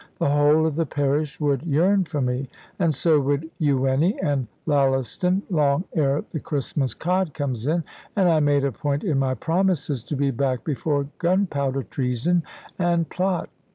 The whole of the parish would yearn for me, and so would Ewenny and Llaleston, long ere the Christmas cod comes in; and I made a point in my promises to be back before Gunpowder Treason and Plot.